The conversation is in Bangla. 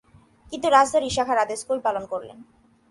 কিন্তু রাজধর ইশা খাঁর আদেশ কই পালন করিলেন।